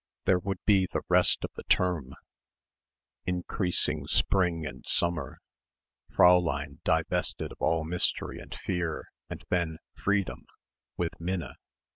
There would be the rest of the term increasing spring and summer Fräulein divested of all mystery and fear and then freedom with Minna.